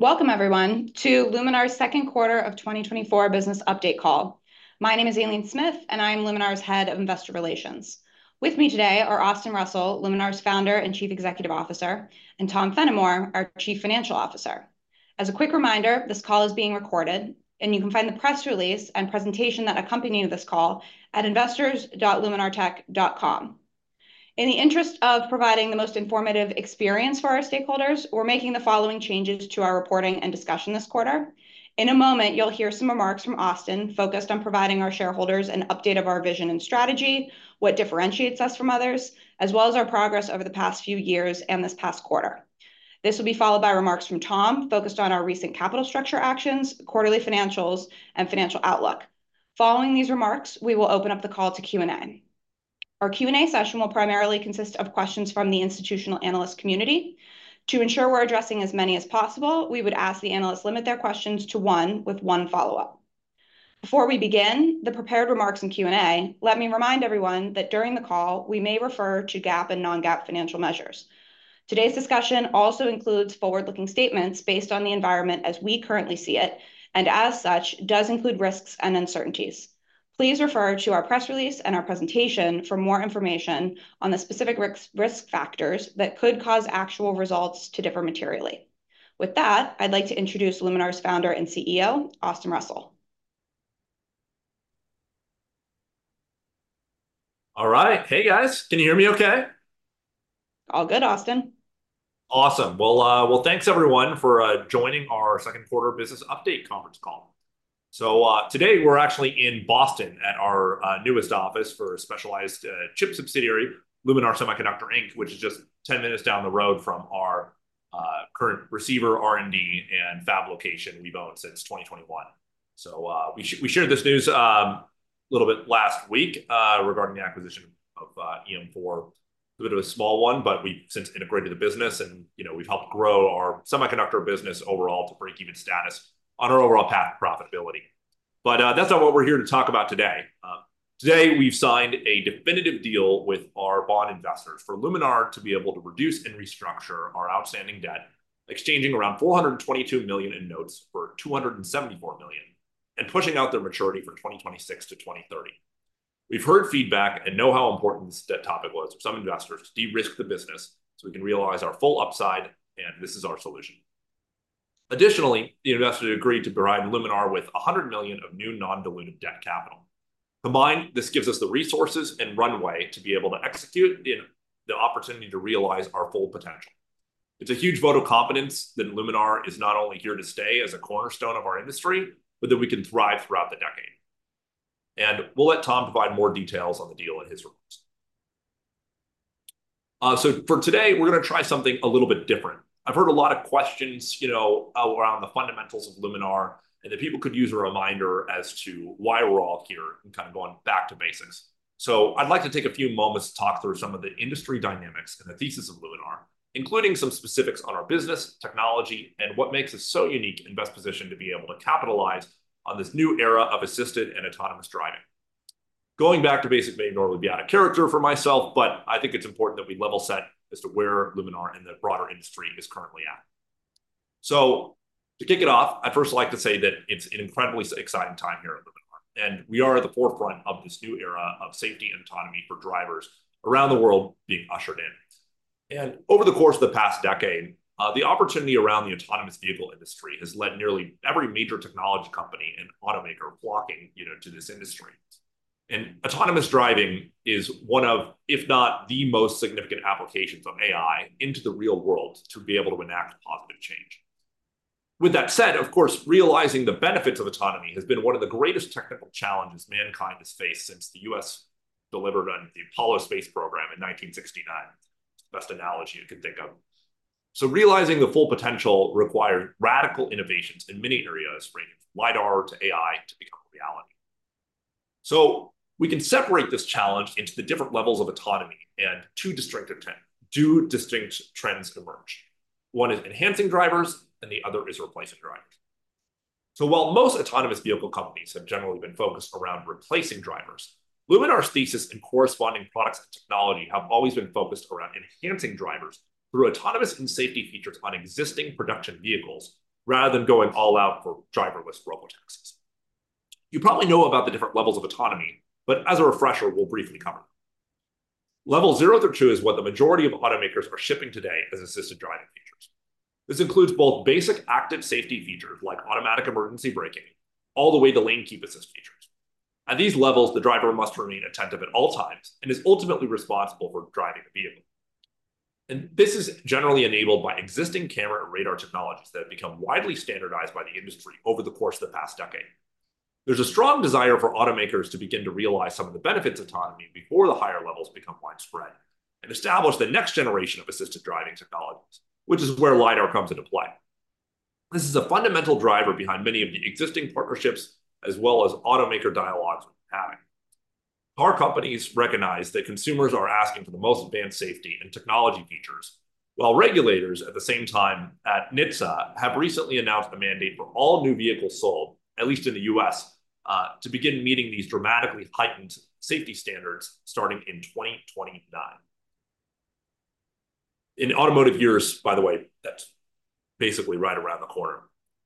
Welcome everyone to Luminar's Second Quarter of 2024 Business Update Call. My name is Aileen Smith, and I'm Luminar's Head of Investor Relations. With me today are Austin Russell, Luminar's Founder and Chief Executive Officer, and Tom Fennimore, our Chief Financial Officer. As a quick reminder, this call is being recorded, and you can find the press release and presentation that accompanied this call at investors.luminartech.com. In the interest of providing the most informative experience for our stakeholders, we're making the following changes to our reporting and discussion this quarter. In a moment, you'll hear some remarks from Austin, focused on providing our shareholders an update of our vision and strategy, what differentiates us from others, as well as our progress over the past few years and this past quarter. This will be followed by remarks from Tom, focused on our recent capital structure actions, quarterly financials, and financial outlook. Following these remarks, we will open up the call to Q&A. Our Q&A session will primarily consist of questions from the institutional analyst community. To ensure we're addressing as many as possible, we would ask the analysts limit their questions to one, with one follow-up. Before we begin the prepared remarks and Q&A, let me remind everyone that during the call, we may refer to GAAP and non-GAAP financial measures. Today's discussion also includes forward-looking statements based on the environment as we currently see it, and as such, does include risks and uncertainties. Please refer to our press release and our presentation for more information on the specific risk, risk factors that could cause actual results to differ materially. With that, I'd like to introduce Luminar's Founder and CEO, Austin Russell. All right. Hey, guys, can you hear me okay? All good, Austin. Awesome. Well, thanks, everyone, for joining our Q2 Business Update Conference Call. So, today we're actually in Boston at our newest office for a specialized chip subsidiary, Luminar Semiconductor Inc., which is just 10 minutes down the road from our current receiver, R&D, and fab location we've owned since 2021. So, we shared this news a little bit last week regarding the acquisition of EM4. A bit of a small one, but we've since integrated the business and, you know, we've helped grow our semiconductor business overall to break even status on our overall path to profitability. But, that's not what we're here to talk about today. Today, we've signed a definitive deal with our bond investors for Luminar to be able to reduce and restructure our outstanding debt, exchanging around $422 million in notes for $274 million and pushing out their maturity from 2026 to 2030. We've heard feedback and know how important this debt topic was for some investors to de-risk the business so we can realize our full upside, and this is our solution. Additionally, the investors agreed to provide Luminar with $100 million of new non-dilutive debt capital. Combined, this gives us the resources and runway to be able to execute and the opportunity to realize our full potential. It's a huge vote of confidence that Luminar is not only here to stay as a cornerstone of our industry, but that we can thrive throughout the decade, and we'll let Tom provide more details on the deal in his remarks. So for today, we're gonna try something a little bit different. I've heard a lot of questions, you know, around the fundamentals of Luminar, and that people could use a reminder as to why we're all here and kind of going back to basics. So I'd like to take a few moments to talk through some of the industry dynamics and the thesis of Luminar, including some specifics on our business, technology, and what makes us so unique and best positioned to be able to capitalize on this new era of assisted and autonomous driving. Going back to basics may normally be out of character for myself, but I think it's important that we level set as to where Luminar and the broader industry is currently at. So to kick it off, I'd first like to say that it's an incredibly exciting time here at Luminar, and we are at the forefront of this new era of safety and autonomy for drivers around the world being ushered in. Over the course of the past decade, the opportunity around the autonomous vehicle industry has led nearly every major technology company and automaker flocking, you know, to this industry. Autonomous driving is one of, if not, the most significant applications of AI into the real world to be able to enact positive change. With that said, of course, realizing the benefits of autonomy has been one of the greatest technical challenges mankind has faced since the U.S. delivered on the Apollo space program in 1969. Best analogy I could think of. So realizing the full potential required radical innovations in many areas, ranging from LiDAR to AI, to become a reality. So we can separate this challenge into the different levels of autonomy and two distinct trends emerge. One is enhancing drivers and the other is replacing drivers. So while most autonomous vehicle companies have generally been focused around replacing drivers, Luminar's thesis and corresponding products and technology have always been focused around enhancing drivers through autonomous and safety features on existing production vehicles, rather than going all out for driverless robotaxis. You probably know about the different levels of autonomy, but as a refresher, we'll briefly cover them. Level zero through two is what the majority of automakers are shipping today as assisted driving features. This includes both basic active safety features, like automatic emergency braking, all the way to lane keep assist features. At these levels, the driver must remain attentive at all times and is ultimately responsible for driving the vehicle. This is generally enabled by existing camera and radar technologies that have become widely standardized by the industry over the course of the past decade. There's a strong desire for automakers to begin to realize some of the benefits of autonomy before the higher levels become widespread and establish the next generation of assisted driving technologies, which is where LiDAR comes into play. This is a fundamental driver behind many of the existing partnerships, as well as automaker dialogues we're having. Car companies recognize that consumers are asking for the most advanced safety and technology features, while regulators at the same time at NHTSA have recently announced a mandate for all new vehicles sold, at least in the U.S., to begin meeting these dramatically heightened safety standards starting in 2029. In automotive years, by the way, that's basically right around the corner.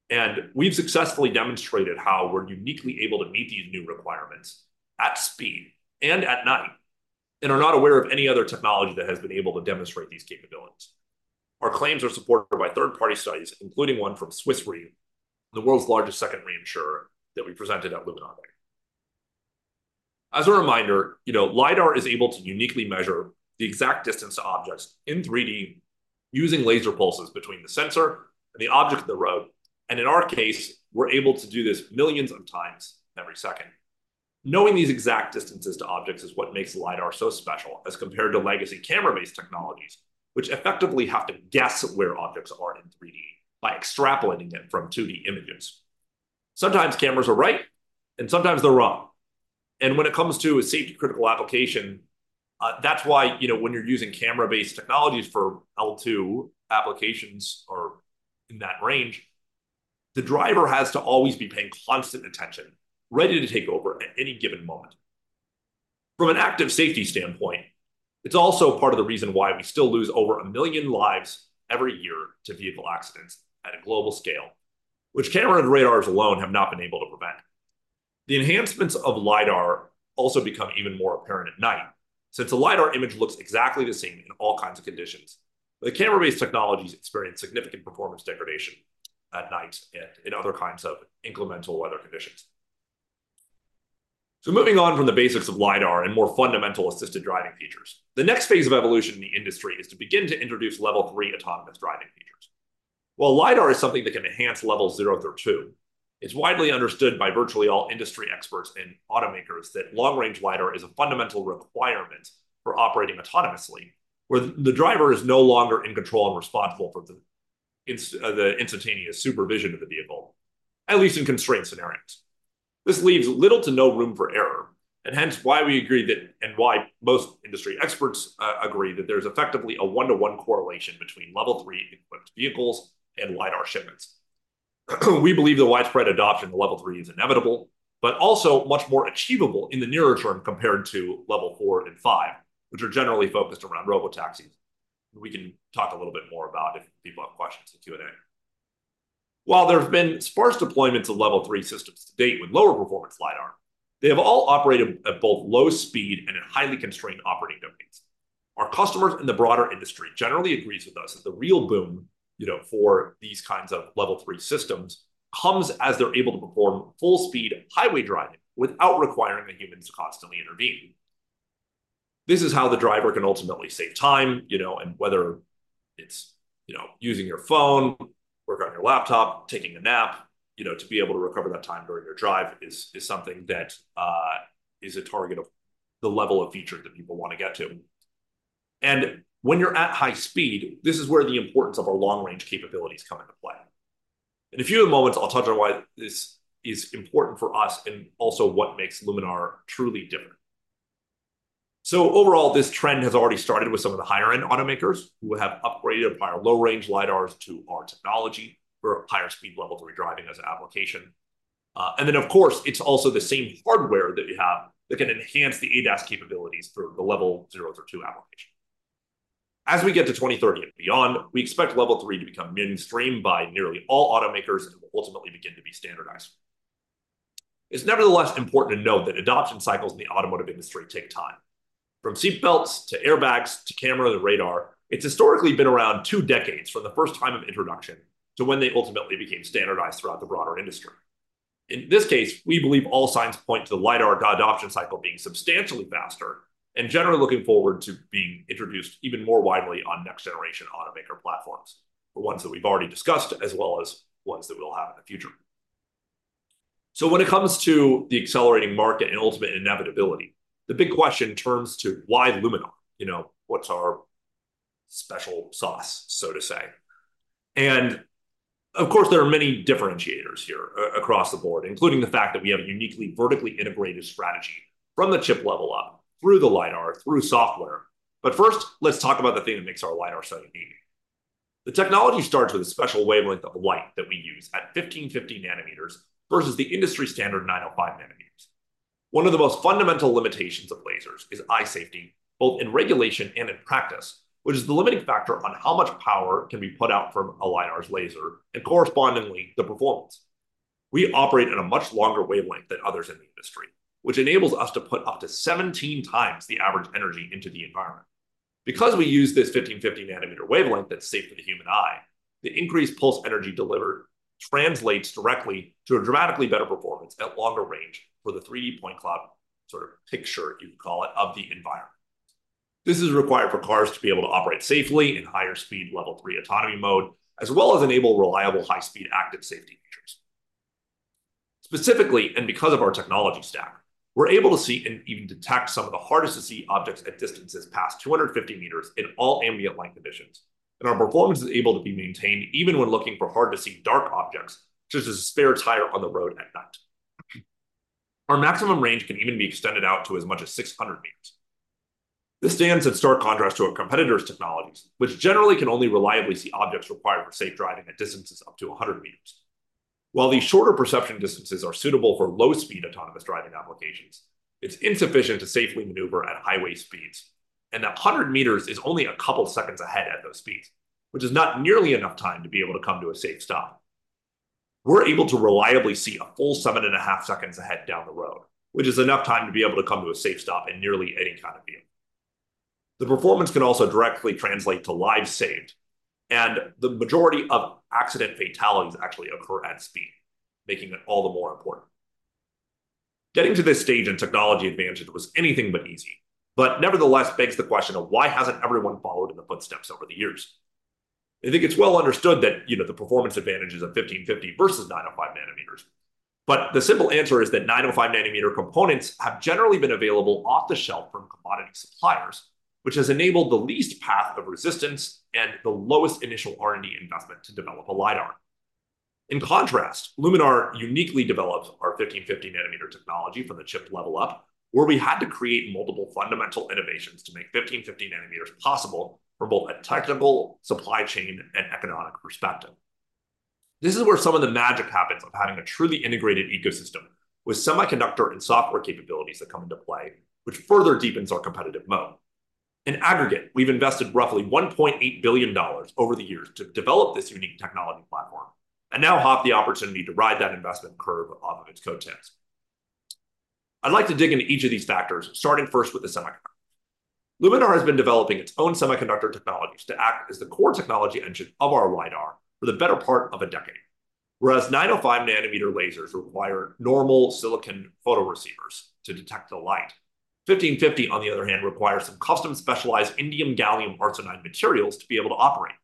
And we've successfully demonstrated how we're uniquely able to meet these new requirements at speed and at night, and are not aware of any other technology that has been able to demonstrate these capabilities. Our claims are supported by third-party studies, including one from Swiss Re, the world's largest secondary insurer, that we presented at Luminar Day. As a reminder, you know, LiDAR is able to uniquely measure the exact distance to objects in 3D using laser pulses between the sensor and the object of the road. In our case, we're able to do this millions of times every second. Knowing these exact distances to objects is what makes LiDAR so special as compared to legacy camera-based technologies, which effectively have to guess where objects are in 3D by extrapolating it from 2D images. Sometimes cameras are right, and sometimes they're wrong. And when it comes to a safety-critical application, that's why, you know, when you're using camera-based technologies for L2 applications or in that range, the driver has to always be paying constant attention, ready to take over at any given moment. From an active safety standpoint, it's also part of the reason why we still lose over a million lives every year to vehicle accidents at a global scale, which camera and radars alone have not been able to prevent. The enhancements of LiDAR also become even more apparent at night, since the LiDAR image looks exactly the same in all kinds of conditions. The camera-based technologies experience significant performance degradation at night and in other kinds of inclement weather conditions. So moving on from the basics of LiDAR and more fundamental assisted driving features, the next phase of evolution in the industry is to begin to introduce Level 3 autonomous driving features. While LiDAR is something that can enhance Level zero through two, it's widely understood by virtually all industry experts and automakers that long-range LiDAR is a fundamental requirement for operating autonomously, where the driver is no longer in control and responsible for the instantaneous supervision of the vehicle, at least in constrained scenarios. This leaves little to no room for error, and hence why we agree that, and why most industry experts agree that there's effectively a one-to-one correlation between Level Three equipped vehicles and LiDAR shipments. We believe the widespread adoption of Level Three is inevitable, but also much more achievable in the nearer term compared to Level Four and Five, which are generally focused around robotaxis. We can talk a little bit more about if people have questions in the Q&A. While there have been sparse deployments of Level Three systems to date with lower performance LiDAR, they have all operated at both low speed and in highly constrained operating domains. Our customers in the broader industry generally agrees with us that the real boom, you know, for these kinds of Level Three systems comes as they're able to perform full-speed highway driving without requiring the humans to constantly intervene. This is how the driver can ultimately save time, you know, and whether it's, you know, using your phone, work on your laptop, taking a nap, you know, to be able to recover that time during your drive is something that is a target of the level of feature that people want to get to. And when you're at high speed, this is where the importance of our long-range capabilities come into play. In a few moments, I'll touch on why this is important for us and also what makes Luminar truly different. So overall, this trend has already started with some of the higher-end automakers who have upgraded our low-range LiDARs to our technology for higher speed Level Three driving as an application. And then, of course, it's also the same hardware that we have that can enhance the ADAS capabilities for the Level 0 through 2 application. As we get to 2030 and beyond, we expect Level 3 to become mainstream by nearly all automakers and will ultimately begin to be standardized. It's nevertheless important to note that adoption cycles in the automotive industry take time. From seat belts to airbags to camera to radar, it's historically been around 2 decades from the first time of introduction to when they ultimately became standardized throughout the broader industry. In this case, we believe all signs point to the LiDAR adoption cycle being substantially faster and generally looking forward to being introduced even more widely on next-generation automaker platforms, the ones that we've already discussed, as well as ones that we'll have in the future. So when it comes to the accelerating market and ultimate inevitability, the big question turns to: Why Luminar? You know, what's our special sauce, so to say. And of course, there are many differentiators here across the board, including the fact that we have a uniquely vertically integrated strategy from the chip level up through the LiDAR, through software. But first, let's talk about the thing that makes our LiDAR so unique. The technology starts with a special wavelength of light that we use at 1550 nanometers versus the industry standard, 905 nanometers. One of the most fundamental limitations of lasers is eye safety, both in regulation and in practice, which is the limiting factor on how much power can be put out from a LiDAR's laser and correspondingly, the performance. We operate at a much longer wavelength than others in the industry, which enables us to put up to 17 times the average energy into the environment. Because we use this 1550-nanometer wavelength that's safe for the human eye, the increased pulse energy delivered translates directly to a dramatically better performance at longer range for the 3D point cloud sort of picture, you could call it, of the environment. This is required for cars to be able to operate safely in higher speed Level 3 autonomy mode, as well as enable reliable, high-speed active safety features. Specifically, and because of our technology stack, we're able to see and even detect some of the hardest-to-see objects at distances past 250 meters in all ambient light conditions, and our performance is able to be maintained even when looking for hard-to-see dark objects, such as a spare tire on the road at night. Our maximum range can even be extended out to as much as 600 meters. This stands in stark contrast to our competitors' technologies, which generally can only reliably see objects required for safe driving at distances up to 100 meters. While these shorter perception distances are suitable for low-speed autonomous driving applications, it's insufficient to safely maneuver at highway speeds, and 100 meters is only a couple seconds ahead at those speeds, which is not nearly enough time to be able to come to a safe stop. We're able to reliably see a full 7.5 seconds ahead down the road, which is enough time to be able to come to a safe stop in nearly any kind of view. The performance can also directly translate to lives saved, and the majority of accident fatalities actually occur at speed, making it all the more important. Getting to this stage in technology advantage was anything but easy, but nevertheless begs the question of: why hasn't everyone followed in the footsteps over the years? I think it's well understood that, you know, the performance advantages of 1,550 nanometers versus 905 nanometers, but the simple answer is that 905 nanometer components have generally been available off the shelf from commodity suppliers, which has enabled the least path of resistance and the lowest initial R&D investment to develop a LiDAR. In contrast, Luminar uniquely developed our 1550 nanometer technology from the chip level up, where we had to create multiple fundamental innovations to make 1550 nanometers possible from both a technical, supply chain, and economic perspective. This is where some of the magic happens of having a truly integrated ecosystem with semiconductor and software capabilities that come into play, which further deepens our competitive moat. In aggregate, we've invested roughly $1.8 billion over the years to develop this unique technology platform and now have the opportunity to ride that investment curve off of its coattails. I'd like to dig into each of these factors, starting first with the semiconductor. Luminar has been developing its own semiconductor technologies to act as the core technology engine of our LiDAR for the better part of a decade. Whereas 905-nanometer lasers require normal silicon photoreceivers to detect the light, 1550, on the other hand, requires some custom specialized indium gallium arsenide materials to be able to operate.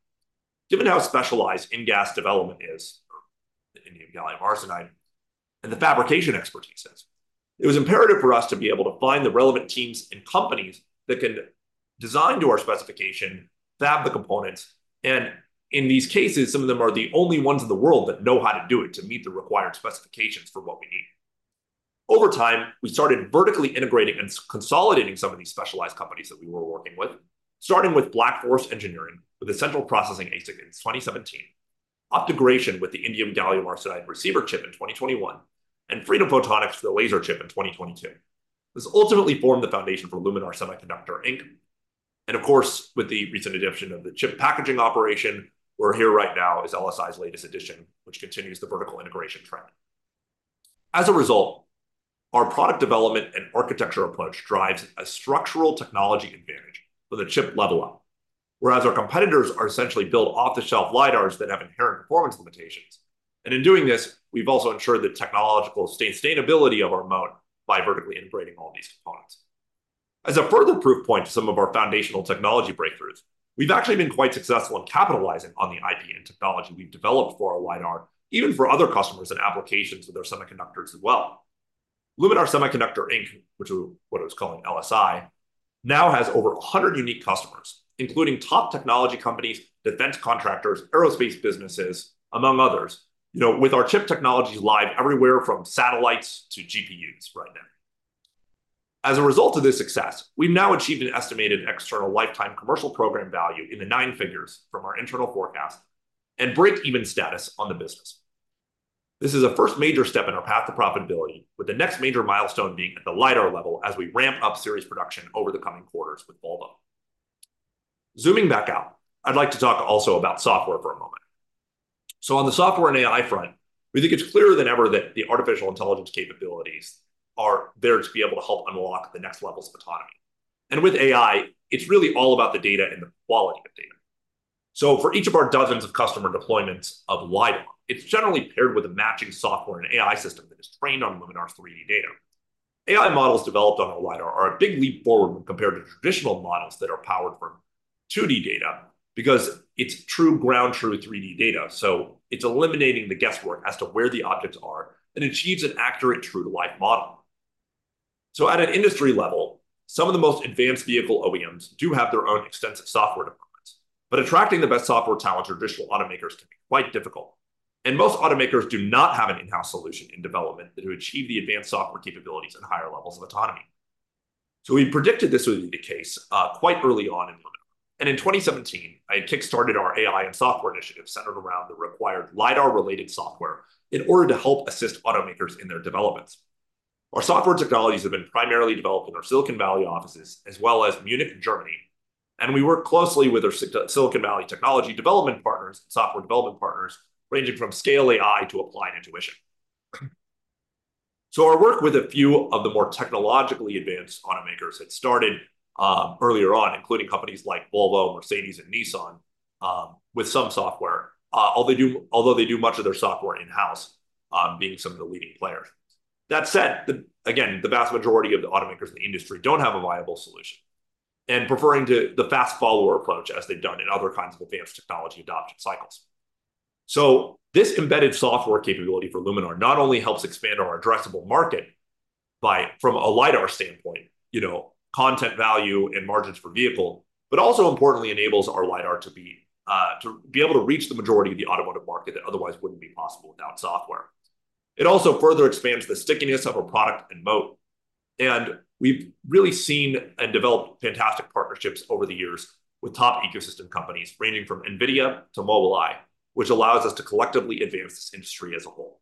Given how specialized InGaAs development is, or the indium gallium arsenide, and the fabrication expertise is, it was imperative for us to be able to find the relevant teams and companies that could design to our specification, fab the components, and in these cases, some of them are the only ones in the world that know how to do it to meet the required specifications for what we need. Over time, we started vertically integrating and consolidating some of these specialized companies that we were working with, starting with Black Forest Engineering, with the central processing ASIC in 2017, OptoGration with the indium gallium arsenide receiver chip in 2021, and Freedom Photonics for the laser chip in 2022. This ultimately formed the foundation for Luminar Semiconductor, Inc. And of course, with the recent addition of the chip packaging operation, we're here right now is LSI's latest addition, which continues the vertical integration trend. As a result, our product development and architecture approach drives a structural technology advantage with a chip level up. Whereas our competitors are essentially built off-the-shelf LiDARs that have inherent performance limitations, and in doing this, we've also ensured the technological sustainability of our moat by vertically integrating all these components. As a further proof point to some of our foundational technology breakthroughs, we've actually been quite successful in capitalizing on the IP and technology we've developed for our LiDAR, even for other customers and applications with their semiconductors as well. Luminar Semiconductor, Inc., which is what I was calling LSI, now has over 100 unique customers, including top technology companies, defense contractors, aerospace businesses, among others. You know, with our chip technologies live everywhere from satellites to GPUs right now. As a result of this success, we've now achieved an estimated external lifetime commercial program value in the nine figures from our internal forecast and break-even status on the business. This is a first major step in our path to profitability, with the next major milestone being at the LiDAR level as we ramp up series production over the coming quarters with Volvo. Zooming back out, I'd like to talk also about software for a moment. So on the software and AI front, we think it's clearer than ever that the artificial intelligence capabilities are there to be able to help unlock the next levels of autonomy. And with AI, it's really all about the data and the quality of data. So for each of our dozens of customer deployments of LiDAR, it's generally paired with a matching software and AI system that is trained on Luminar's 3D data. AI models developed on our LiDAR are a big leap forward compared to traditional models that are powered from 2D data, because it's true ground truth 3D data, so it's eliminating the guesswork as to where the objects are and achieves an accurate, true-to-life model. So at an industry level, some of the most advanced vehicle OEMs do have their own extensive software deployments, but attracting the best software talent to traditional automakers can be quite difficult, and most automakers do not have an in-house solution in development to achieve the advanced software capabilities and higher levels of autonomy. So we predicted this would be the case quite early on in Luminar, and in 2017, I kickstarted our AI and software initiative centered around the required LiDAR-related software in order to help assist automakers in their developments. Our software technologies have been primarily developed in our Silicon Valley offices, as well as Munich, Germany, and we work closely with our Silicon Valley technology development partners, software development partners, ranging from Scale AI to Applied Intuition. So our work with a few of the more technologically advanced automakers had started earlier on, including companies like Volvo, Mercedes, and Nissan with some software, although they do much of their software in-house, being some of the leading players. That said, again, the vast majority of the automakers in the industry don't have a viable solution and prefer the fast follower approach, as they've done in other kinds of advanced technology adoption cycles. So this embedded software capability for Luminar not only helps expand our addressable market by, from a lidar standpoint, you know, content value and margins per vehicle, but also importantly enables our lidar to be able to reach the majority of the automotive market that otherwise wouldn't be possible without software. It also further expands the stickiness of our product and more. We've really seen and developed fantastic partnerships over the years with top ecosystem companies, ranging from NVIDIA to Mobileye, which allows us to collectively advance this industry as a whole.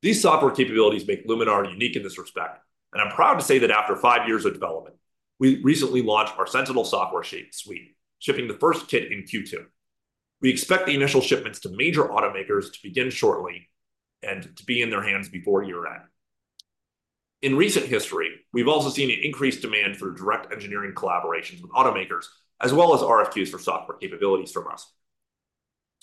These software capabilities make Luminar unique in this respect, and I'm proud to say that after five years of development, we recently launched our Sentinel software suite, shipping the first kit in Q2. We expect the initial shipments to major automakers to begin shortly and to be in their hands before year-end. In recent history, we've also seen an increased demand for direct engineering collaborations with automakers, as well as RFQs for software capabilities from us.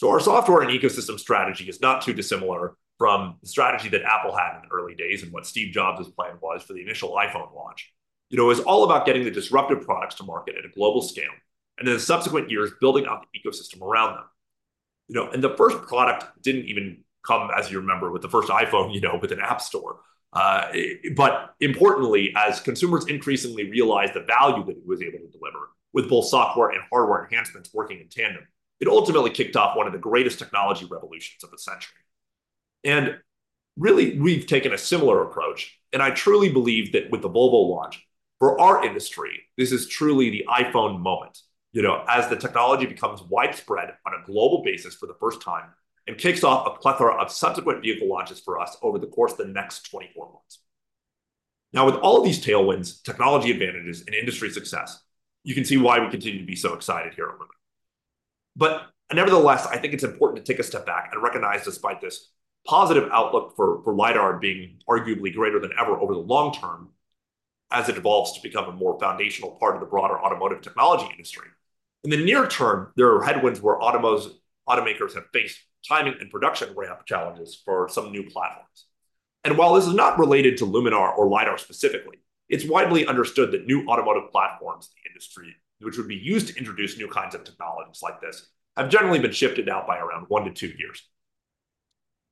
Our software and ecosystem strategy is not too dissimilar from the strategy that Apple had in the early days and what Steve Jobs' plan was for the initial iPhone launch. You know, it was all about getting the disruptive products to market at a global scale, and in the subsequent years, building out the ecosystem around them. You know, and the first product didn't even come, as you remember, with the first iPhone, you know, with an app store. But importantly, as consumers increasingly realized the value that it was able to deliver with both software and hardware enhancements working in tandem, it ultimately kicked off one of the greatest technology revolutions of the century. And really, we've taken a similar approach, and I truly believe that with the Volvo launch, for our industry, this is truly the iPhone moment. You know, as the technology becomes widespread on a global basis for the first time and kicks off a plethora of subsequent vehicle launches for us over the course of the next 24 months. Now, with all of these tailwinds, technology advantages, and industry success, you can see why we continue to be so excited here at Luminar. But nevertheless, I think it's important to take a step back and recognize, despite this positive outlook for LiDAR being arguably greater than ever over the long term, as it evolves to become a more foundational part of the broader automotive technology industry. In the near term, there are headwinds where automakers have faced timing and production ramp challenges for some new platforms. While this is not related to Luminar or LiDAR specifically, it's widely understood that new automotive platforms, the industry, which would be used to introduce new kinds of technologies like this, have generally been shifted out by around 1 year-2 years.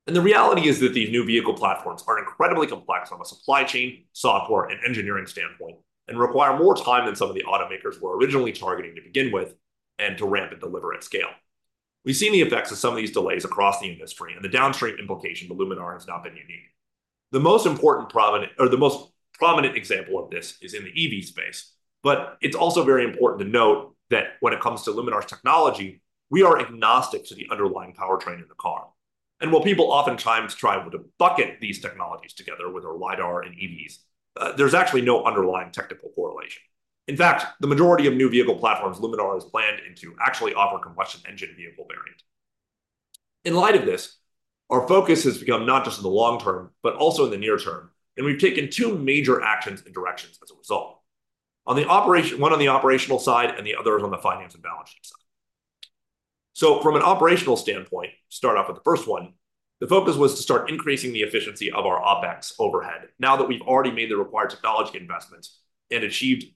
The reality is that these new vehicle platforms are incredibly complex from a supply chain, software, and engineering standpoint, and require more time than some of the automakers were originally targeting to begin with, and to ramp and deliver at scale. We've seen the effects of some of these delays across the industry, and the downstream implication for Luminar has not been unique. The most important prominent, or the most prominent example of this is in the EV space, but it's also very important to note that when it comes to Luminar's technology, we are agnostic to the underlying powertrain in the car. While people oftentimes try to bucket these technologies together, whether LiDAR and EVs, there's actually no underlying technical correlation. In fact, the majority of new vehicle platforms Luminar has planned into actually offer combustion engine vehicle variants. In light of this, our focus has become not just in the long term, but also in the near term, and we've taken two major actions and directions as a result. On the operational side, one on the operational side and the other is on the finance and balance sheet side. So from an operational standpoint, start off with the first one, the focus was to start increasing the efficiency of our OpEx overhead now that we've already made the required technology investments and achieved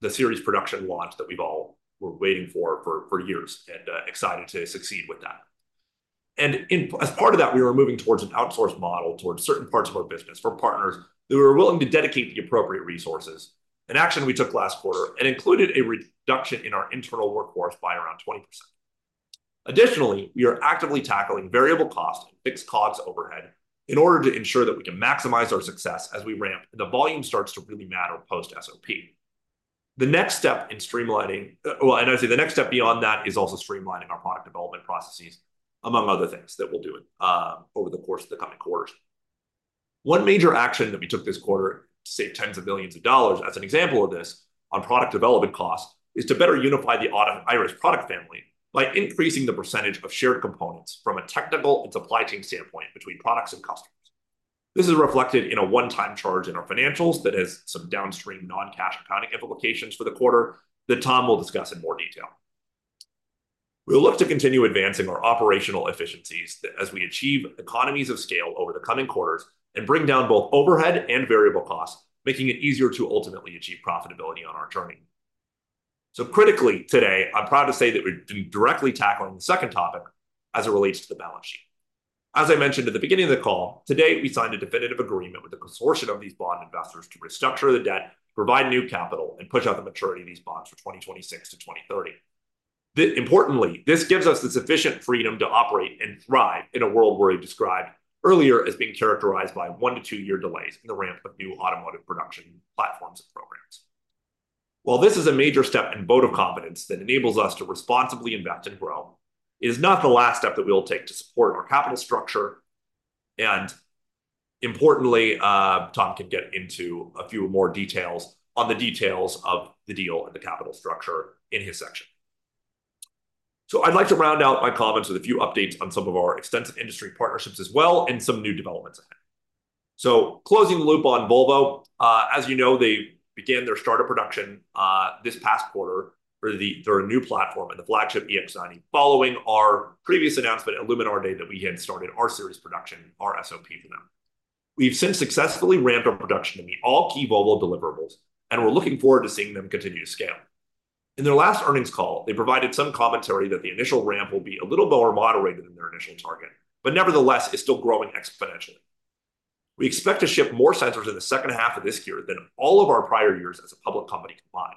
the series production launch that we've all were waiting for, for years, and excited to succeed with that. And in, as part of that, we were moving towards an outsourced model towards certain parts of our business for partners who were willing to dedicate the appropriate resources, an action we took last quarter and included a reduction in our internal workforce by around 20%. Additionally, we are actively tackling variable cost and fixed COGS overhead in order to ensure that we can maximize our success as we ramp and the volume starts to really matter post-SOP. The next step in streamlining, and I say the next step beyond that is also streamlining our product development processes, among other things that we'll do in over the course of the coming quarters. One major action that we took this quarter to save tens of billions of dollars, as an example of this, on product development costs, is to better unify the Iris product family by increasing the percentage of shared components from a technical and supply chain standpoint between products and customers. This is reflected in a one-time charge in our financials that has some downstream non-cash accounting implications for the quarter that Tom will discuss in more detail. We'll look to continue advancing our operational efficiencies as we achieve economies of scale over the coming quarters and bring down both overhead and variable costs, making it easier to ultimately achieve profitability on our journey. So critically, today, I'm proud to say that we've been directly tackling the second topic as it relates to the balance sheet. As I mentioned at the beginning of the call, today, we signed a definitive agreement with a consortium of these bond investors to restructure the debt, provide new capital, and push out the maturity of these bonds for 2026 to 2030. Importantly, this gives us the sufficient freedom to operate and thrive in a world we described earlier as being characterized by 1- to 2-year delays in the ramp of new automotive production platforms and programs. While this is a major step and vote of confidence that enables us to responsibly invest and grow, it is not the last step that we will take to support our capital structure. Importantly, Tom can get into a few more details on the details of the deal and the capital structure in his section. I'd like to round out my comments with a few updates on some of our extensive industry partnerships as well, and some new developments ahead. Closing the loop on Volvo, as you know, they began their start of production this past quarter for their new platform and the flagship EX90, following our previous announcement at Luminar Day that we had started our series production, our SOP for them. We've since successfully ramped up production to meet all key Volvo deliverables, and we're looking forward to seeing them continue to scale. In their last earnings call, they provided some commentary that the initial ramp will be a little more moderated than their initial target, but nevertheless, is still growing exponentially. We expect to ship more sensors in the second half of this year than in all of our prior years as a public company combined.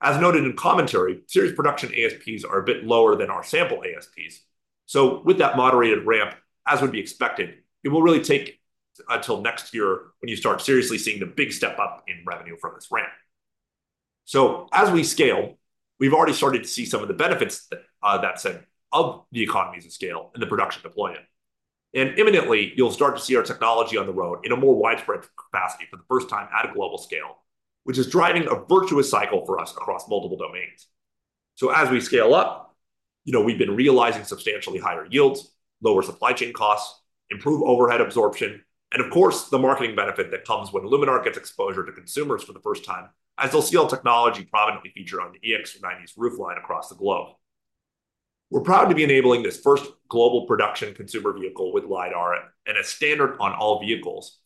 As noted in commentary, series production ASPs are a bit lower than our sample ASPs. So with that moderated ramp, as would be expected, it will really take until next year when you start seriously seeing the big step up in revenue from this ramp. So as we scale, we've already started to see some of the benefits, that said, of the economies of scale and the production deployment. Imminently, you'll start to see our technology on the road in a more widespread capacity for the first time at a global scale, which is driving a virtuous cycle for us across multiple domains. As we scale up, you know, we've been realizing substantially higher yields, lower supply chain costs, improved overhead absorption, and of course, the marketing benefit that comes when Luminar gets exposure to consumers for the first time, as they'll see our technology prominently featured on the EX90's roofline across the globe. We're proud to be enabling this first global production consumer vehicle with LiDAR and as standard on all vehicles,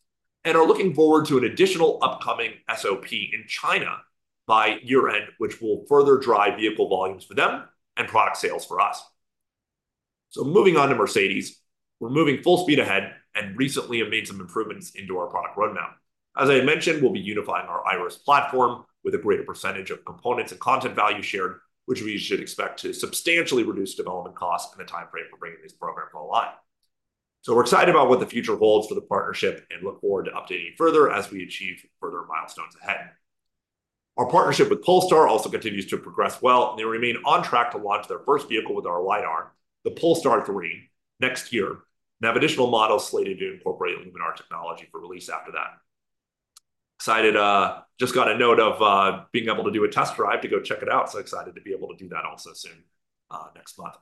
and are looking forward to an additional upcoming SOP in China by year-end, which will further drive vehicle volumes for them and product sales for us. So moving on to Mercedes, we're moving full speed ahead and recently have made some improvements into our product roadmap. As I mentioned, we'll be unifying our Iris platform with a greater percentage of components and content value shared, which we should expect to substantially reduce development costs and the time frame for bringing these programs online. So we're excited about what the future holds for the partnership and look forward to updating you further as we achieve further milestones ahead. Our partnership with Polestar also continues to progress well, and they remain on track to launch their first vehicle with our LiDAR, the Polestar 3, next year, and have additional models slated to incorporate Luminar technology for release after that. Excited, just got a note of being able to do a test drive to go check it out, so excited to be able to do that also soon, next month.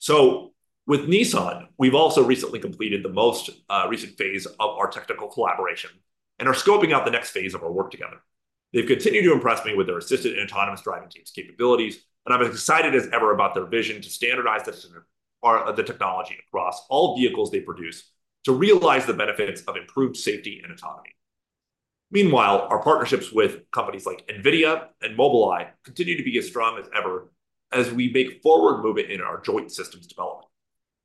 So with Nissan, we've also recently completed the most recent phase of our technical collaboration and are scoping out the next phase of our work together. They've continued to impress me with their assisted and autonomous driving team's capabilities, and I'm as excited as ever about their vision to standardize this, the technology across all vehicles they produce to realize the benefits of improved safety and autonomy. Meanwhile, our partnerships with companies like NVIDIA and Mobileye continue to be as strong as ever as we make forward movement in our joint systems development.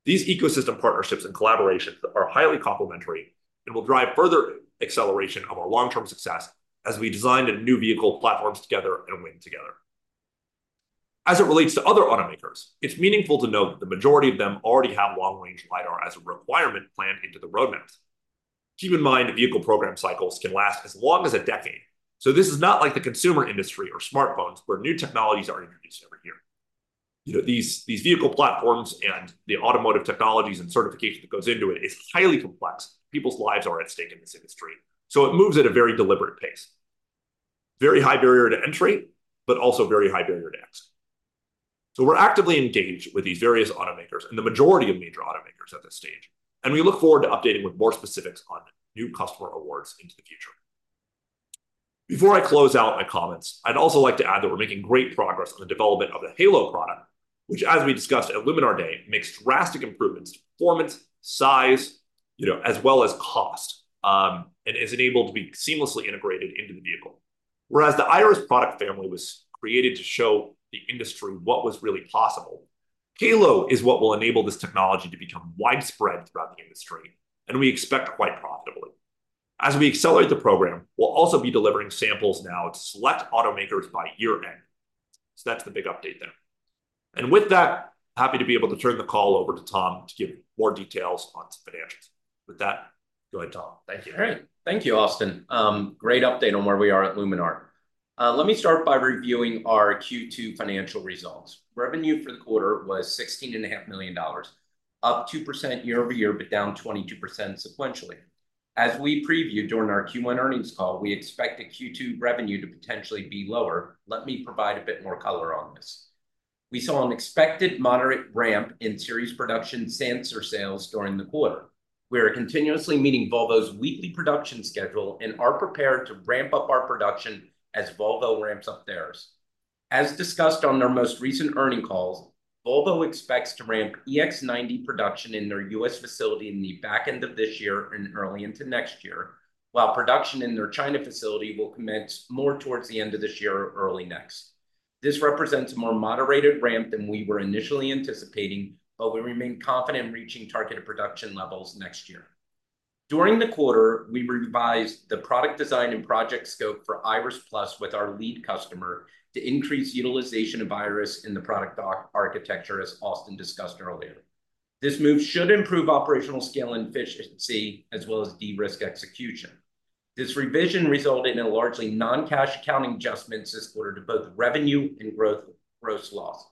These ecosystem partnerships and collaborations are highly complementary and will drive further acceleration of our long-term success as we design new vehicle platforms together and win together. As it relates to other automakers, it's meaningful to note that the majority of them already have long-range LiDAR as a requirement planned into the roadmaps. Keep in mind, the vehicle program cycles can last as long as a decade, so this is not like the consumer industry or smartphones, where new technologies are introduced every year. You know, these vehicle platforms and the automotive technologies and certification that goes into it is highly complex. People's lives are at stake in this industry, so it moves at a very deliberate pace. Very high barrier to entry, but also very high barrier to exit. So we're actively engaged with these various automakers and the majority of major automakers at this stage, and we look forward to updating with more specifics on new customer awards into the future. Before I close out my comments, I'd also like to add that we're making great progress on the development of the Halo product, which, as we discussed at Luminar Day, makes drastic improvements to performance, size, you know, as well as cost, and is enabled to be seamlessly integrated into the vehicle. Whereas the Iris product family was created to show the industry what was really possible, Halo is what will enable this technology to become widespread throughout the industry, and we expect quite profitably. As we accelerate the program, we'll also be delivering samples now to select automakers by year-end. So that's the big update there. With that, happy to be able to turn the call over to Tom to give more details on some financials. With that, go ahead, Tom. Thank you. Great. Thank you, Austin. Great update on where we are at Luminar. Let me start by reviewing our Q2 financial results. Revenue for the quarter was $16.5 million, up 2% year-over-year, but down 22% sequentially. As we previewed during our Q1 earnings call, we expected Q2 revenue to potentially be lower. Let me provide a bit more color on this. We saw an expected moderate ramp in series production sensor sales during the quarter. We are continuously meeting Volvo's weekly production schedule and are prepared to ramp up our production as Volvo ramps up theirs. As discussed on their most recent earnings calls, Volvo expects to ramp EX90 production in their U.S. facility in the back end of this year and early into next year, while production in their China facility will commence more towards the end of this year or early next. This represents a more moderated ramp than we were initially anticipating, but we remain confident in reaching targeted production levels next year. During the quarter, we revised the product design and project scope for Iris+ with our lead customer to increase utilization of Iris in the product architecture, as Austin discussed earlier. This move should improve operational scale and efficiency, as well as de-risk execution. This revision resulted in largely non-cash accounting adjustments this quarter to both revenue and COGS, gross loss.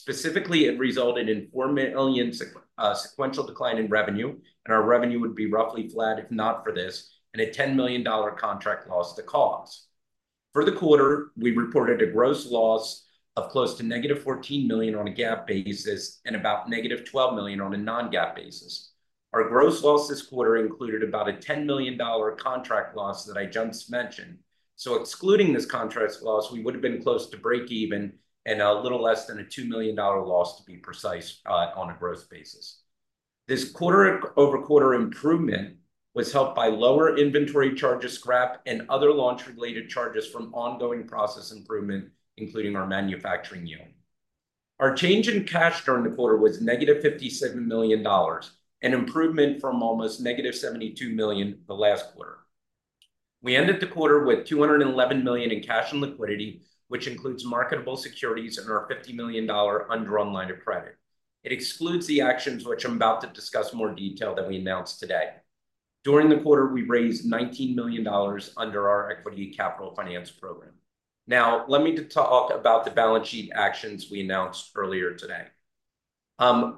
Specifically, it resulted in $4 million sequential decline in revenue, and our revenue would be roughly flat if not for this, and a $10 million contract loss to COGS. For the quarter, we reported a gross loss of close to negative $14 million on a GAAP basis and about negative $12 million on a non-GAAP basis. Our gross loss this quarter included about a $10 million contract loss that I just mentioned. So excluding this contract loss, we would have been close to breakeven and a little less than a $2 million loss, to be precise, on a gross basis. This quarter-over-quarter improvement was helped by lower inventory charges, scrap, and other launch-related charges from ongoing process improvement, including our manufacturing yield. Our change in cash during the quarter was -$57 million, an improvement from almost -$72 million the last quarter. We ended the quarter with $211 million in cash and liquidity, which includes marketable securities and our $50 million undrawn line of credit. It excludes the actions which I'm about to discuss in more detail that we announced today. During the quarter, we raised $19 million under our equity capital finance program. Now, let me talk about the balance sheet actions we announced earlier today.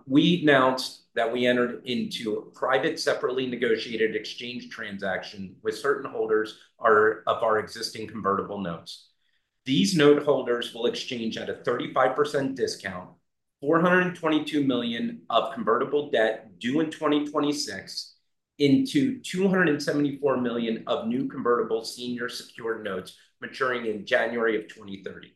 We announced that we entered into a private, separately negotiated exchange transaction with certain holders of our existing convertible notes. These note holders will exchange at a 35% discount, $422 million of convertible debt due in 2026 into $274 million of new convertible senior secured notes maturing in January 2030.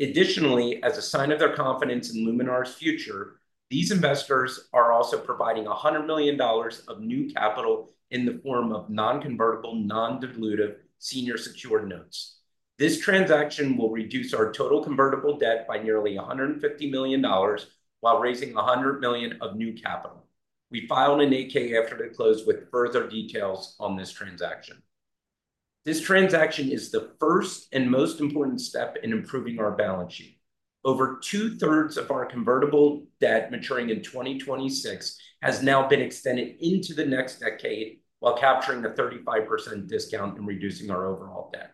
Additionally, as a sign of their confidence in Luminar's future, these investors are also providing $100 million of new capital in the form of non-convertible, non-dilutive senior secured notes. This transaction will reduce our total convertible debt by nearly $150 million, while raising $100 million of new capital. We filed an 8-K after it closed with further details on this transaction. This transaction is the first and most important step in improving our balance sheet. Over two-thirds of our convertible debt maturing in 2026 has now been extended into the next decade, while capturing a 35% discount and reducing our overall debt.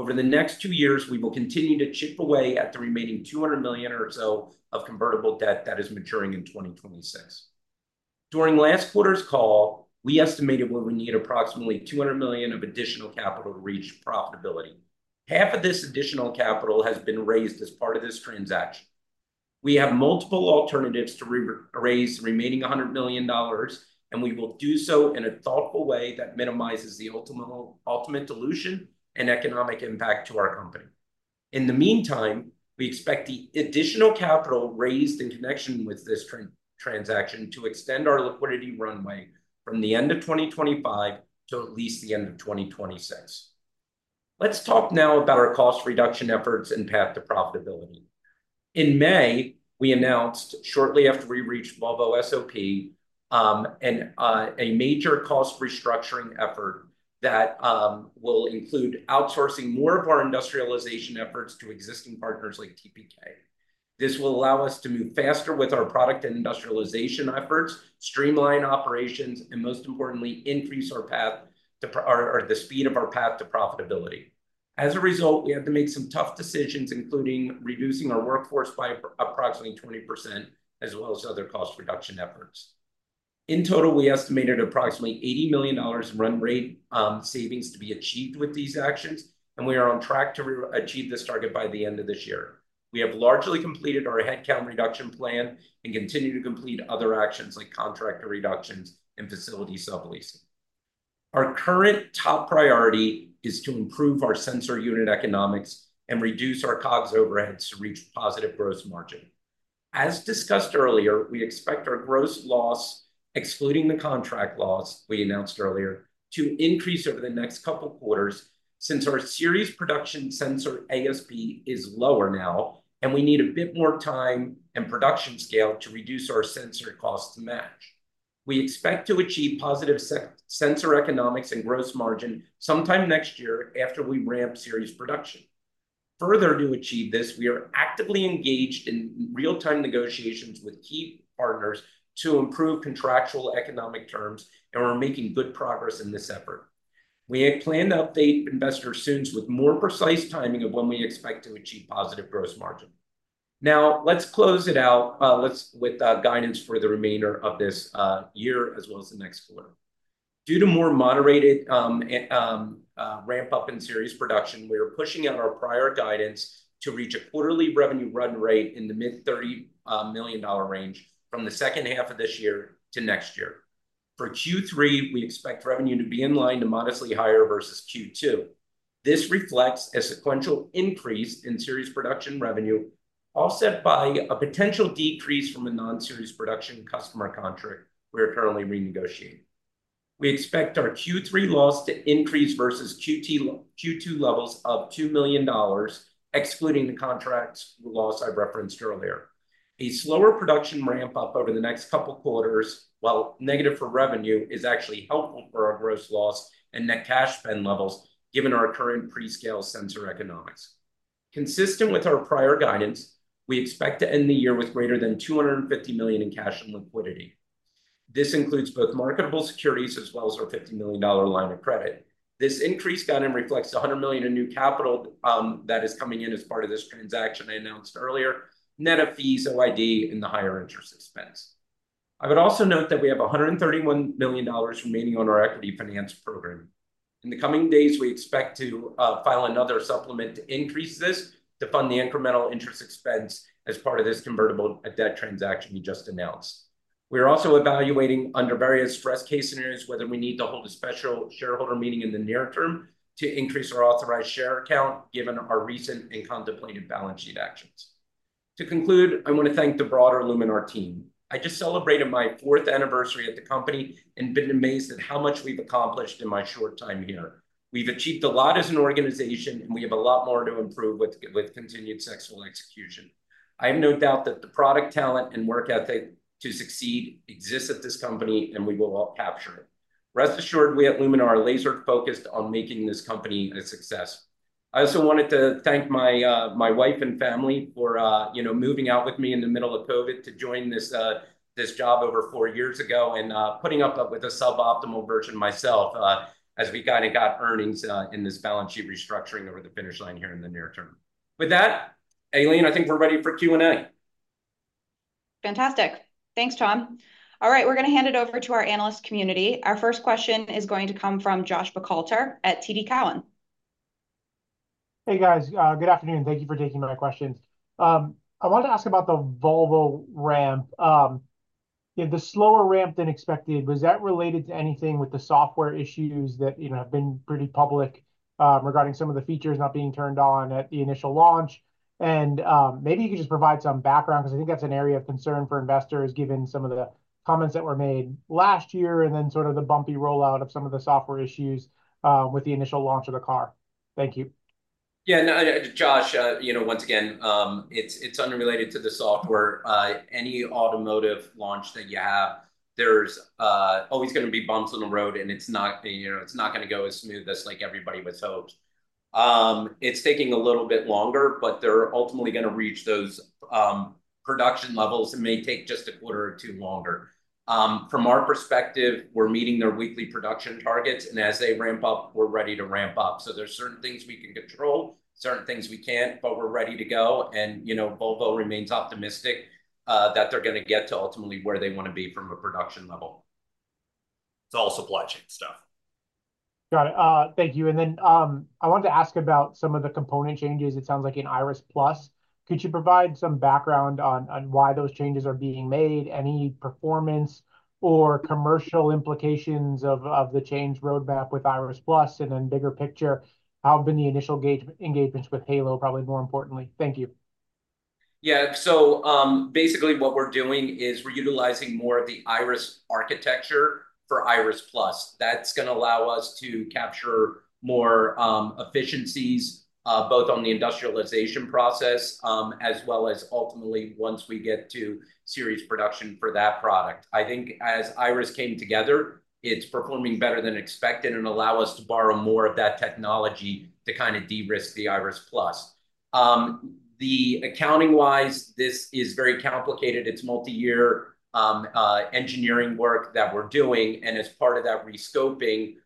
Over the next two years, we will continue to chip away at the remaining $200 million or so of convertible debt that is maturing in 2026. During last quarter's call, we estimated what we need approximately $200 million of additional capital to reach profitability. Half of this additional capital has been raised as part of this transaction. We have multiple alternatives to re-raise the remaining $100 million, and we will do so in a thoughtful way that minimizes the ultimate, ultimate dilution and economic impact to our company. In the meantime, we expect the additional capital raised in connection with this transaction to extend our liquidity runway from the end of 2025 to at least the end of 2026. Let's talk now about our cost reduction efforts and path to profitability. In May, we announced shortly after we reached Volvo SOP, a major cost restructuring effort that will include outsourcing more of our industrialization efforts to existing partners like TPK. This will allow us to move faster with our product and industrialization efforts, streamline operations, and most importantly, increase our path to or the speed of our path to profitability. As a result, we had to make some tough decisions, including reducing our workforce by approximately 20%, as well as other cost reduction efforts. In total, we estimated approximately $80 million run rate savings to be achieved with these actions, and we are on track to achieve this target by the end of this year. We have largely completed our headcount reduction plan and continue to complete other actions like contractor reductions and facility subleasing. Our current top priority is to improve our sensor unit economics and reduce our COGS overheads to reach positive gross margin. As discussed earlier, we expect our gross loss, excluding the contract loss we announced earlier, to increase over the next couple quarters since our series production sensor ASP is lower now, and we need a bit more time and production scale to reduce our sensor costs to match. We expect to achieve positive sensor economics and gross margin sometime next year after we ramp series production. Further, to achieve this, we are actively engaged in real-time negotiations with key partners to improve contractual economic terms, and we're making good progress in this effort. We plan to update investors soon with more precise timing of when we expect to achieve positive gross margin. Now, let's close it out with guidance for the remainder of this year as well as the next quarter. Due to more moderated ramp-up in series production, we are pushing out our prior guidance to reach a quarterly revenue run rate in the mid-$30 million range from the second half of this year to next year. For Q3, we expect revenue to be in line to modestly higher versus Q2. This reflects a sequential increase in series production revenue, offset by a potential decrease from a non-series production customer contract we're currently renegotiating. We expect our Q3 loss to increase versus Q2 levels of $2 million, excluding the contract loss I referenced earlier. A slower production ramp-up over the next couple of quarters, while negative for revenue, is actually helpful for our gross loss and net cash spend levels given our current pre-scale sensor economics. Consistent with our prior guidance, we expect to end the year with greater than $250 million in cash and liquidity. This includes both marketable securities as well as our $50 million line of credit. This increased guidance reflects $100 million in new capital that is coming in as part of this transaction I announced earlier, net of fees, OID, and the higher interest expense. I would also note that we have $131 million remaining on our equity finance program. In the coming days, we expect to file another supplement to increase this to fund the incremental interest expense as part of this convertible debt transaction we just announced. We are also evaluating, under various stress case scenarios, whether we need to hold a special shareholder meeting in the near term to increase our authorized share account, given our recent and contemplated balance sheet actions. To conclude, I want to thank the broader Luminar team. I just celebrated my fourth anniversary at the company and been amazed at how much we've accomplished in my short time here.... We've achieved a lot as an organization, and we have a lot more to improve with continued successful execution. I have no doubt that the product talent and work ethic to succeed exists at this company, and we will all capture it. Rest assured, we at Luminar are laser-focused on making this company a success. I also wanted to thank my wife and family for, you know, moving out with me in the middle of COVID to join this job over four years ago, and putting up with a suboptimal version of myself, as we kind of got earnings and this balance sheet restructuring over the finish line here in the near term. With that, Aileen, I think we're ready for Q&A. Fantastic. Thanks, Tom. All right, we're gonna hand it over to our analyst community. Our first question is going to come from Josh Buchalter at TD Cowen. Hey, guys. Good afternoon. Thank you for taking my questions. I wanted to ask about the Volvo ramp. You know, the slower ramp than expected, was that related to anything with the software issues that, you know, have been pretty public, regarding some of the features not being turned on at the initial launch? Maybe you could just provide some background, because I think that's an area of concern for investors, given some of the comments that were made last year, and then sort of the bumpy rollout of some of the software issues, with the initial launch of the car. Thank you. Yeah, no, Josh, you know, once again, it's, it's unrelated to the software. Any automotive launch that you have, there's always gonna be bumps in the road, and it's not, you know, it's not gonna go as smooth as like everybody would hope. It's taking a little bit longer, but they're ultimately gonna reach those production levels. It may take just a quarter or two longer. From our perspective, we're meeting their weekly production targets, and as they ramp up, we're ready to ramp up. So there's certain things we can control, certain things we can't, but we're ready to go. And, you know, Volvo remains optimistic that they're gonna get to ultimately where they want to be from a production level. It's all supply chain stuff. Got it. Thank you. And then, I wanted to ask about some of the component changes it sounds like in Iris+. Could you provide some background on, on why those changes are being made? Any performance or commercial implications of, of the change roadmap with Iris+? And then bigger picture, how have been the initial engagements with Halo, probably more importantly. Thank you. Yeah. So, basically, what we're doing is we're utilizing more of the Iris architecture for Iris+. That's gonna allow us to capture more efficiencies, both on the industrialization process, as well as ultimately once we get to series production for that product. I think as Iris came together, it's performing better than expected and allow us to borrow more of that technology to kind of de-risk the Iris+. Accounting-wise, this is very complicated. It's multi-year engineering work that we're doing, and as part of that re-scoping,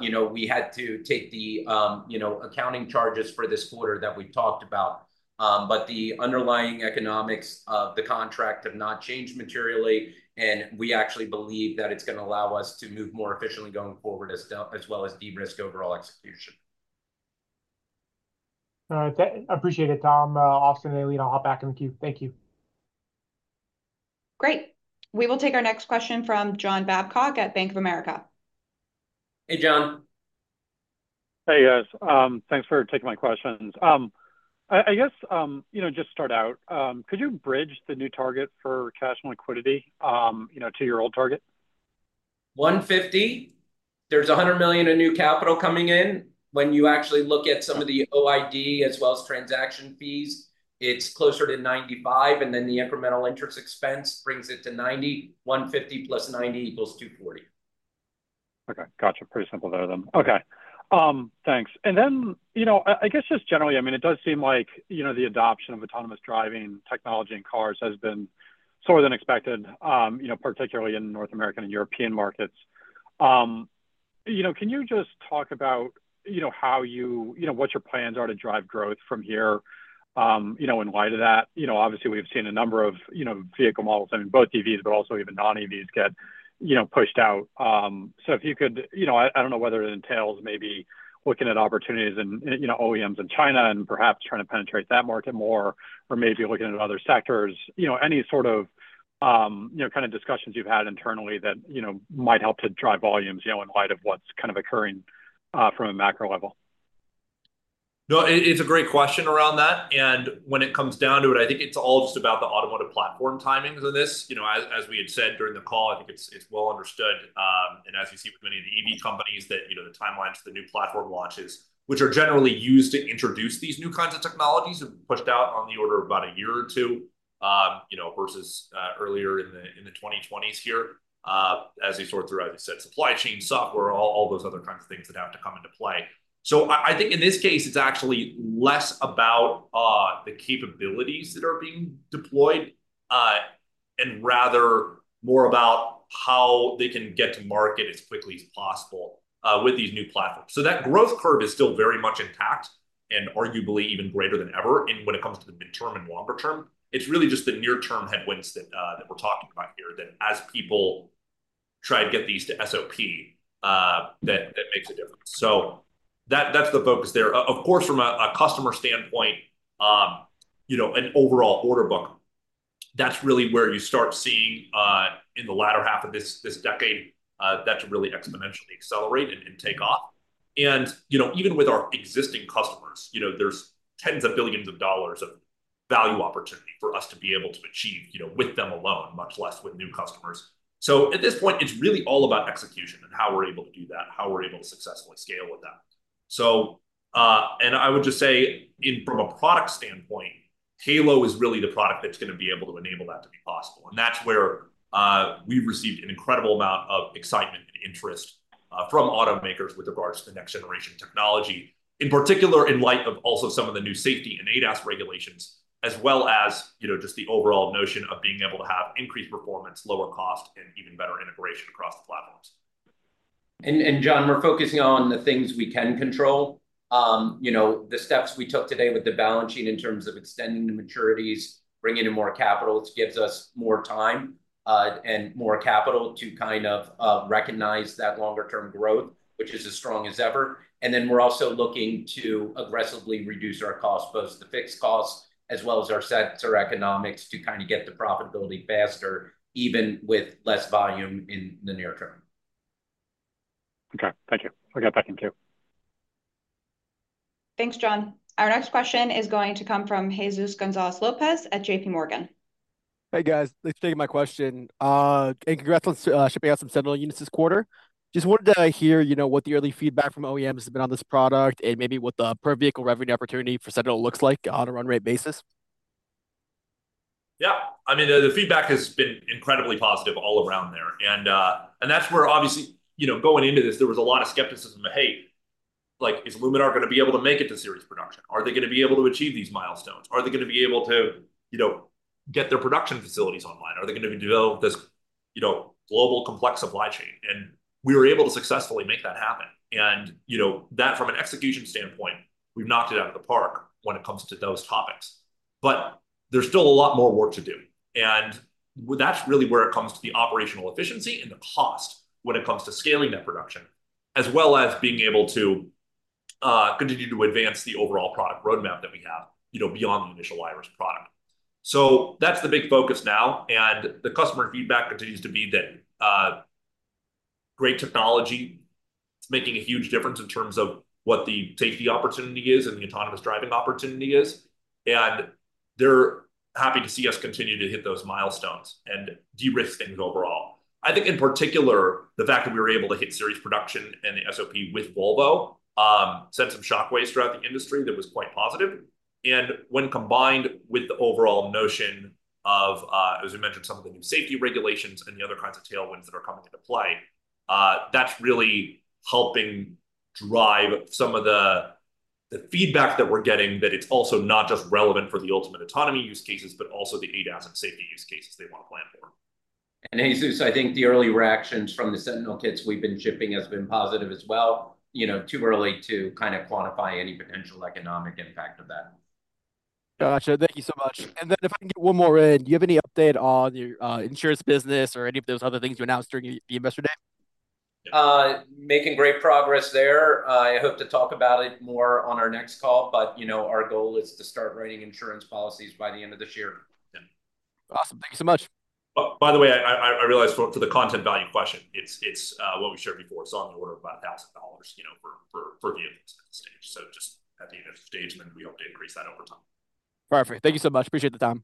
you know, we had to take the, you know, accounting charges for this quarter that we've talked about. But the underlying economics of the contract have not changed materially, and we actually believe that it's gonna allow us to move more efficiently going forward, as well as de-risk overall execution. All right. Appreciate it, Tom. Austin and Aileen, I'll hop back in the queue. Thank you. Great! We will take our next question from John Babcock at Bank of America. Hey, John. Hey, guys. Thanks for taking my questions. I guess, you know, just start out, could you bridge the new target for cash and liquidity, you know, to your old target? $150. There's $100 million in new capital coming in. When you actually look at some of the OID, as well as transaction fees, it's closer to $95, and then the incremental interest expense brings it to $90. $150 plus $90 equals $240. Okay, gotcha. Pretty simple there, then. Okay. Thanks. And then, you know, I guess just generally, I mean, it does seem like, you know, the adoption of autonomous driving technology in cars has been slower than expected, you know, particularly in North American and European markets. You know, can you just talk about, you know, how, you know, what your plans are to drive growth from here? You know, in light of that, you know, obviously, we've seen a number of, you know, vehicle models, I mean, both EVs, but also even non-EVs get, you know, pushed out. So if you could, you know, I don't know whether it entails maybe looking at opportunities in, you know, OEMs in China and perhaps trying to penetrate that market more, or maybe looking into other sectors. You know, any sort of, you know, kind of discussions you've had internally that, you know, might help to drive volumes, you know, in light of what's kind of occurring, from a macro level? No, it's a great question around that, and when it comes down to it, I think it's all just about the automotive platform timings of this. You know, as we had said during the call, I think it's well understood, and as you see with many of the EV companies that, you know, the timelines for the new platform launches, which are generally used to introduce these new kinds of technologies, have been pushed out on the order of about a year or two, you know, versus earlier in the 2020s here. As you sort through, as you said, supply chain, software, all those other kinds of things that have to come into play. So I think in this case, it's actually less about the capabilities that are being deployed and rather more about how they can get to market as quickly as possible with these new platforms. So that growth curve is still very much intact and arguably even greater than ever in when it comes to the midterm and longer term. It's really just the near-term headwinds that we're talking about here, that as people try to get these to SOP, that makes a difference. So that's the focus there. Of course, from a customer standpoint, you know, an overall order book, that's really where you start seeing in the latter half of this decade that to really exponentially accelerate and take off. You know, even with our existing customers, you know, there's $ tens of billions of value opportunity for us to be able to achieve, you know, with them alone, much less with new customers. So at this point, it's really all about execution and how we're able to do that, how we're able to successfully scale with that. So, and I would just say in from a product standpoint, Halo is really the product that's gonna be able to enable that to be possible, and that's where, we've received an incredible amount of excitement and interest, from automakers with regards to the next generation technology. In particular, in light of also some of the new safety and ADAS regulations, as well as, you know, just the overall notion of being able to have increased performance, lower cost, and even better integration across the platforms. John, we're focusing on the things we can control. You know, the steps we took today with the balance sheet in terms of extending the maturities, bringing in more capital, which gives us more time and more capital to kind of recognize that longer term growth, which is as strong as ever. And then we're also looking to aggressively reduce our costs, both the fixed costs as well as our sensor economics, to kind of get to profitability faster, even with less volume in the near term. Okay. Thank you. I got back in too. Thanks, John. Our next question is going to come from Jesus Gonzalez at J.P. Morgan. Hey, guys. Thanks for taking my question. Congrats on shipping out some Sentinel units this quarter. Just wanted to hear, you know, what the early feedback from OEMs has been on this product, and maybe what the per-vehicle revenue opportunity for Sentinel looks like on a run rate basis. Yeah, I mean, the feedback has been incredibly positive all around there. And, and that's where obviously, you know, going into this, there was a lot of skepticism of, "Hey, like, is Luminar gonna be able to make it to series production? Are they gonna be able to achieve these milestones? Are they gonna be able to, you know, get their production facilities online? Are they gonna develop this, you know, global complex supply chain?" And we were able to successfully make that happen. And, you know, that from an execution standpoint, we've knocked it out of the park when it comes to those topics. But there's still a lot more work to do, and that's really where it comes to the operational efficiency and the cost when it comes to scaling that production, as well as being able to continue to advance the overall product roadmap that we have, you know, beyond the initial Iris product. So that's the big focus now, and the customer feedback continues to be that great technology, it's making a huge difference in terms of what the safety opportunity is and the autonomous driving opportunity is, and they're happy to see us continue to hit those milestones and de-risk things overall. I think in particular, the fact that we were able to hit series production and the SOP with Volvo sent some shockwaves throughout the industry that was quite positive. When combined with the overall notion of, as we mentioned, some of the new safety regulations and the other kinds of tailwinds that are coming into play, that's really helping drive some of the, the feedback that we're getting, that it's also not just relevant for the ultimate autonomy use cases, but also the ADAS and safety use cases they want to plan for. Jesus, I think the early reactions from the Sentinel kits we've been shipping has been positive as well. You know, too early to kind of quantify any potential economic impact of that. Gotcha. Thank you so much. And then if I can get one more in, do you have any update on your, insurance business or any of those other things you announced during the Investor Day? Making great progress there. I hope to talk about it more on our next call, but, you know, our goal is to start writing insurance policies by the end of this year. Yeah. Awesome. Thank you so much. By the way, I realized for the content value question, it's what we shared before. It's on the order of about $1,000, you know, for vehicles at this stage. So just at the initial stage, and then we hope to increase that over time. Perfect. Thank you so much. Appreciate the time.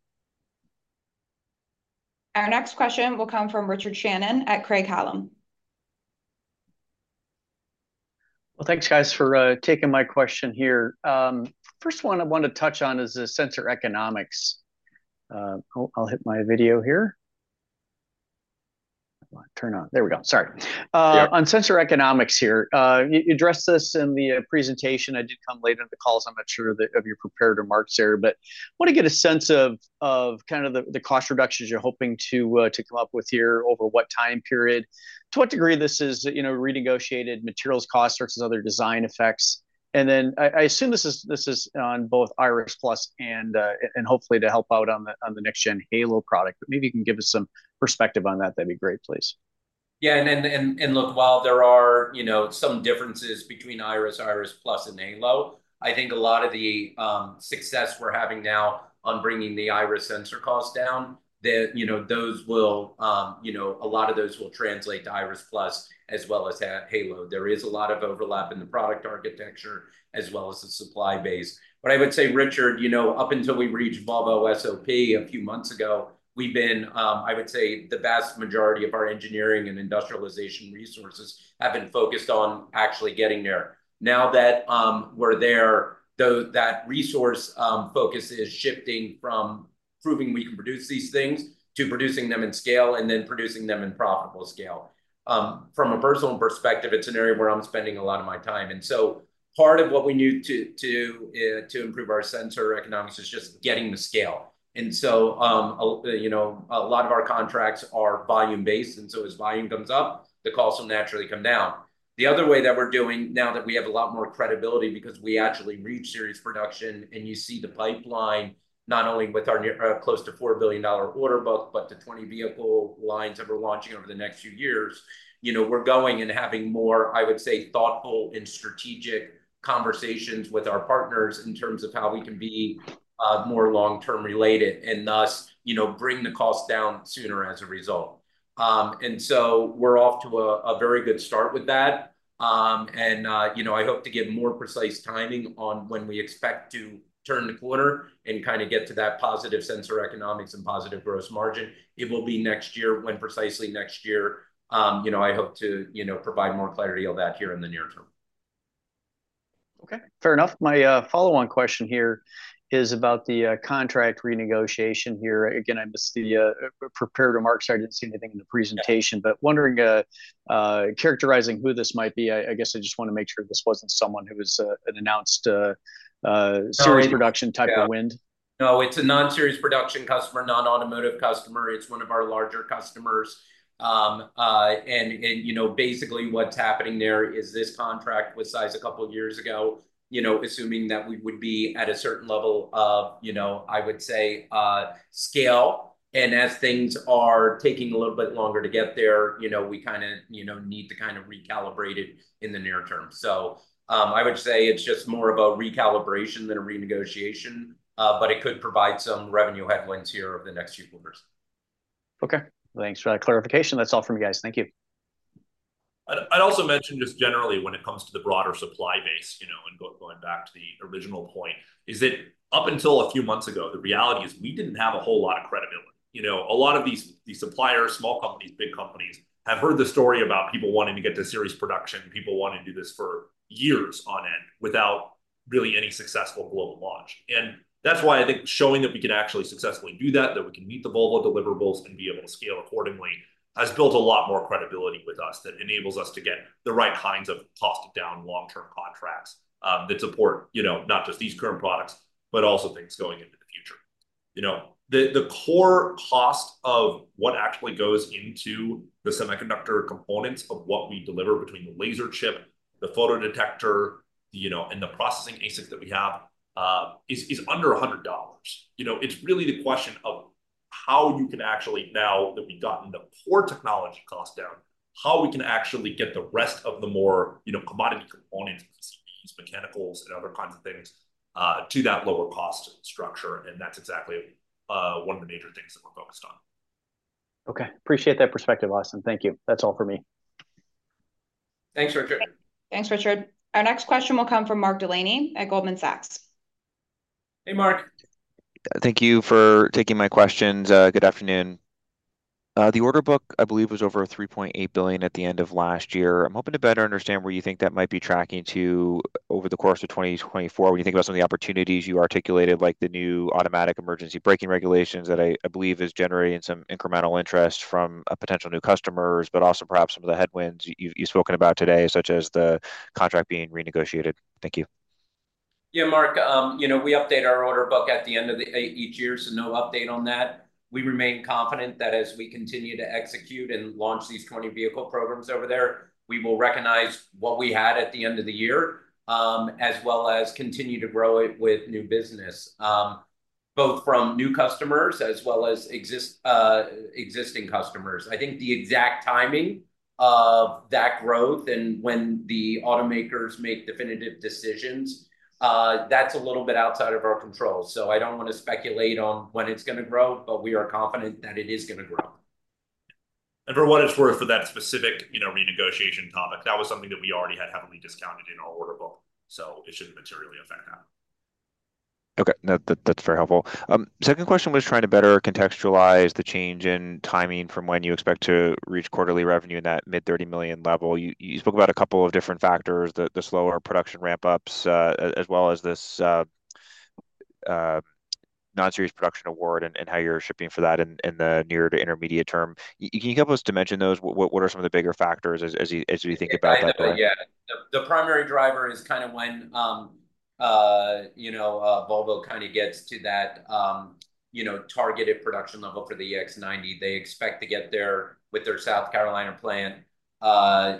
Our next question will come from Richard Shannon at Craig-Hallum. Well, thanks, guys, for taking my question here. First one I want to touch on is the sensor economics. I'll hit my video here. Come on, turn on. There we go. Sorry. Yeah. On sensor economics here, you addressed this in the presentation. I did come late into the call, so I'm not sure of your prepared remarks here. But I want to get a sense of kind of the cost reductions you're hoping to come up with here, over what time period, to what degree this is, you know, renegotiated materials cost versus other design effects. And then I assume this is on both Iris, Iris+, and hopefully to help out on the next gen Halo product. But maybe you can give us some perspective on that. That'd be great, please. Yeah, look, while there are, you know, some differences between Iris, Iris+, and Halo, I think a lot of the success we're having now on bringing the Iris sensor costs down. You know, those will, you know, a lot of those will translate to Iris+ as well as at Halo. There is a lot of overlap in the product architecture as well as the supply base. But I would say, Richard, you know, up until we reached Volvo SOP a few months ago, we've been – I would say, the vast majority of our engineering and industrialization resources have been focused on actually getting there. Now that we're there, though, that resource focus is shifting from proving we can produce these things to producing them in scale and then producing them in profitable scale. From a personal perspective, it's an area where I'm spending a lot of my time. And so part of what we need to improve our sensor economics is just getting the scale. And so, you know, a lot of our contracts are volume-based, and so as volume comes up, the costs will naturally come down. The other way that we're doing, now that we have a lot more credibility because we actually reached series production, and you see the pipeline, not only with our near, close to $4 billion order book, but the 20 vehicle lines that we're launching over the next few years. You know, we're going and having more, I would say, thoughtful and strategic conversations with our partners in terms of how we can be, more long-term related and thus, you know, bring the costs down sooner as a result. And so we're off to a very good start with that, and, you know, I hope to give more precise timing on when we expect to turn the corner and kind of get to that positive sensor economics and positive gross margin. It will be next year. When precisely next year? You know, I hope to, you know, provide more clarity on that here in the near term. Okay, fair enough. My follow-on question here is about the contract renegotiation here. Again, I missed the prepared remarks, so I didn't see anything in the presentation. But wondering characterizing who this might be, I guess I just want to make sure this wasn't someone who was an announced- No... series production type of wind. No, it's a non-series production customer, non-automotive customer. It's one of our larger customers. And, you know, basically what's happening there is this contract was signed a couple of years ago, you know, assuming that we would be at a certain level of, you know, I would say, scale. And as things are taking a little bit longer to get there, you know, we kind of, you know, need to kind of recalibrate it in the near term. So, I would say it's just more of a recalibration than a renegotiation, but it could provide some revenue headwinds here over the next few quarters. Okay, thanks for that clarification. That's all from me, guys. Thank you. I'd also mention just generally when it comes to the broader supply base, you know, and going back to the original point, is that up until a few months ago, the reality is we didn't have a whole lot of credibility. You know, a lot of these suppliers, small companies, big companies, have heard the story about people wanting to get to series production, people wanting to do this for years on end, without really any successful global launch. And that's why I think showing that we can actually successfully do that, that we can meet the Volvo deliverables and be able to scale accordingly, has built a lot more credibility with us that enables us to get the right kinds of cost down long-term contracts, that support, you know, not just these current products, but also things going into the future. You know, the core cost of what actually goes into the semiconductor components of what we deliver between the laser chip, the photodetector, you know, and the processing ASICs that we have is under $100. You know, it's really the question of how you can actually, now that we've gotten the core technology cost down, how we can actually get the rest of the more, you know, commodity components, PCBs, mechanicals, and other kinds of things to that lower cost structure, and that's exactly one of the major things that we're focused on. Okay. Appreciate that perspective, Austin. Thank you. That's all for me. Thanks, Richard. Thanks, Richard. Our next question will come from Mark Delaney at Goldman Sachs. Hey, Mark. Thank you for taking my questions. Good afternoon. The order book, I believe, was over $3.8 billion at the end of last year. I'm hoping to better understand where you think that might be tracking to over the course of 2024. When you think about some of the opportunities you articulated, like the new automatic emergency braking regulations, that I believe is generating some incremental interest from potential new customers, but also perhaps some of the headwinds you've spoken about today, such as the contract being renegotiated. Thank you. Yeah, Mark, you know, we update our order book at the end of each year, so no update on that. We remain confident that as we continue to execute and launch these 20 vehicle programs over there, we will recognize what we had at the end of the year, as well as continue to grow it with new business, both from new customers as well as existing customers. I think the exact timing of that growth and when the automakers make definitive decisions, that's a little bit outside of our control. So I don't want to speculate on when it's gonna grow, but we are confident that it is gonna grow. For what it's worth, for that specific, you know, renegotiation topic, that was something that we already had heavily discounted in our order book, so it shouldn't materially affect that. Okay. No, that, that's very helpful. Second question, was trying to better contextualize the change in timing from when you expect to reach quarterly revenue in that mid-$30 million level. You, you spoke about a couple of different factors, the, the slower production ramp-ups, as well as this, non-series production award and, and how you're shipping for that in, in the near to intermediate term. Can you help us dimension those? What, what are some of the bigger factors as, as you, as you think about that? I know, yeah. The primary driver is kind of when, you know, Volvo kind of gets to that, you know, targeted production level for the EX90. They expect to get there with their South Carolina plant,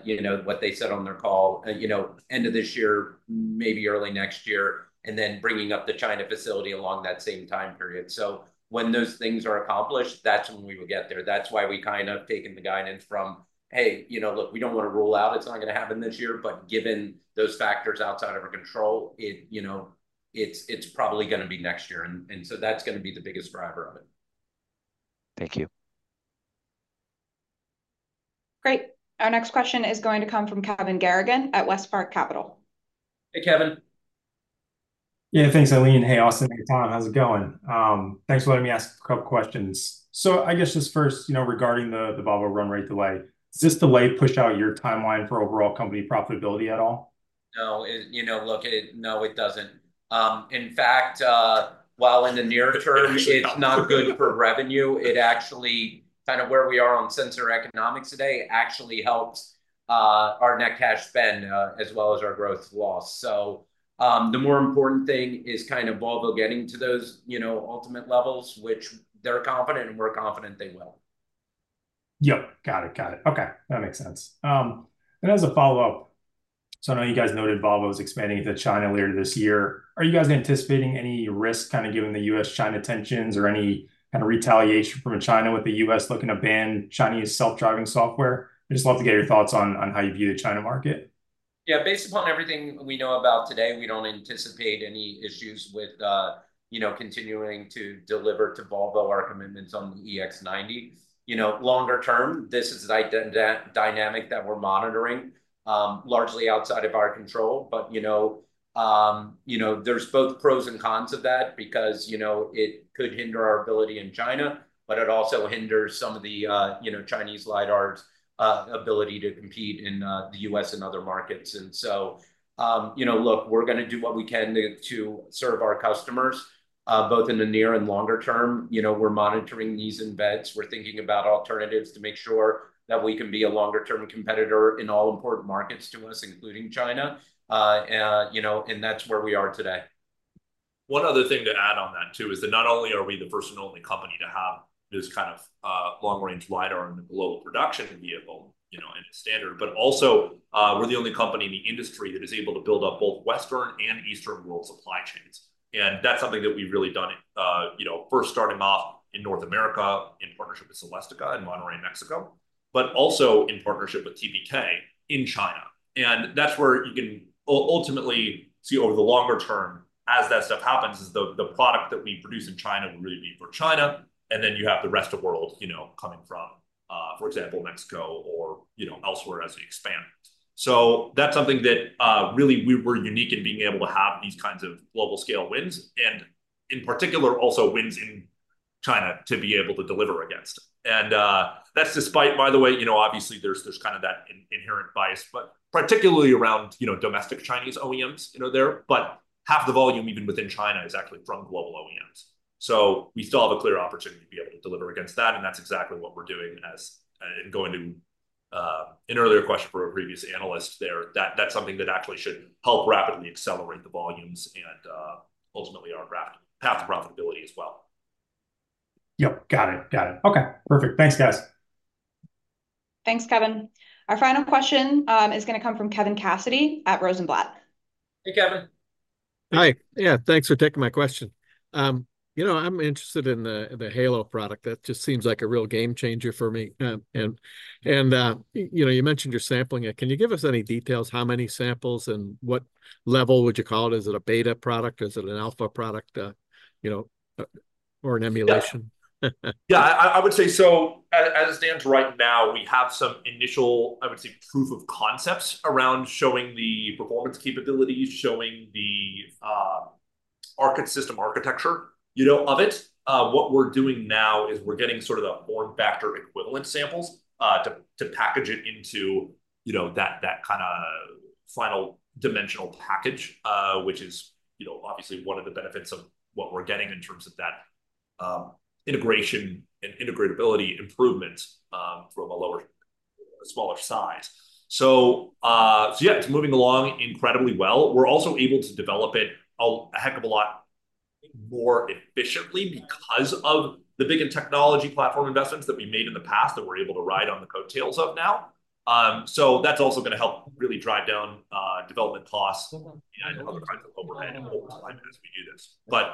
you know, what they said on their call, you know, end of this year, maybe early next year, and then bringing up the China facility along that same time period. So when those things are accomplished, that's when we will get there. That's why we've kind of taken the guidance from, hey, you know, look, we don't want to rule out it's not gonna happen this year, but given those factors outside of our control, it, you know, it's probably gonna be next year. And so that's gonna be the biggest driver of it. Thank you. Great. Our next question is going to come from Kevin Garrigan at Westpark Capital. Hey, Kevin. Yeah, thanks, Aileen. Hey, Austin and Tom, how's it going? Thanks for letting me ask a couple questions. So I guess just first, you know, regarding the Volvo run rate delay, does this delay push out your timeline for overall company profitability at all? No, you know, look, it doesn't. In fact, while in the near term it's not good for revenue, it actually, kind of where we are on sensor economics today, actually helps our net cash spend as well as our gross loss. So, the more important thing is kind of Volvo getting to those, you know, ultimate levels, which they're confident, and we're confident they will. Yep. Got it, got it. Okay, that makes sense. And as a follow-up, so I know you guys noted Volvo is expanding into China later this year. Are you guys anticipating any risk, kind of given the U.S.-China tensions, or any kind of retaliation from China with the U.S. looking to ban Chinese self-driving software? I'd just love to get your thoughts on, on how you view the China market. Yeah, based upon everything we know about today, we don't anticipate any issues with, you know, continuing to deliver to Volvo our commitments on the EX90. You know, longer term, this is a dynamic that we're monitoring, largely outside of our control. But, you know, there's both pros and cons of that because, you know, it could hinder our ability in China, but it also hinders some of the, you know, Chinese LiDAR's ability to compete in, the U.S. and other markets. And so, you know, look, we're gonna do what we can to serve our customers, both in the near and longer term. You know, we're monitoring these embeds. We're thinking about alternatives to make sure that we can be a longer-term competitor in all important markets to us, including China, you know, and that's where we are today. One other thing to add on that, too, is that not only are we the first and only company to have this kind of long-range LiDAR in a global production vehicle, you know, in its standard, but also we're the only company in the industry that is able to build up both Western and Eastern world supply chains. And that's something that we've really done, you know, first starting off in North America, in partnership with Celestica in Monterrey, Mexico, but also in partnership with TPK in China. And that's where you can ultimately see over the longer term, as that stuff happens, is the product that we produce in China will really be for China, and then you have the rest of world, you know, coming from, for example, Mexico or, you know, elsewhere as we expand. So that's something that really we were unique in being able to have these kinds of global scale wins, and in particular, also wins in China to be able to deliver against. And that's despite, by the way, you know, obviously there's kind of that inherent bias, but particularly around, you know, domestic Chinese OEMs, you know, there. But half the volume, even within China, is actually from global OEMs. So we still have a clear opportunity to be able to deliver against that, and that's exactly what we're doing as going to an earlier question for a previous analyst there, that's something that actually should help rapidly accelerate the volumes and ultimately our path to profitability as well. Yep. Got it, got it. Okay, perfect. Thanks, guys. Thanks, Kevin. Our final question is gonna come from Kevin Cassidy at Rosenblatt. Hey, Kevin. Hi. Yeah, thanks for taking my question. You know, I'm interested in the Halo product. That just seems like a real game changer for me. And you know, you mentioned you're sampling it. Can you give us any details? How many samples, and what level would you call it? Is it a beta product? Is it an alpha product, you know, or an emulation? Yeah, I would say so as it stands right now, we have some initial, I would say, proof of concepts around showing the performance capabilities, showing the architecture, you know, of it. What we're doing now is we're getting sort of the form factor equivalent samples to package it into, you know, that kinda final dimensional package, which is, you know, obviously one of the benefits of what we're getting in terms of that integration and integrability improvement from a lower, smaller size. So, yeah, it's moving along incredibly well. We're also able to develop it a heck of a lot more efficiently because of the big technology platform investments that we made in the past that we're able to ride on the coattails of now. So that's also gonna help really drive down development costs and other kinds of overhead over time as we do this. But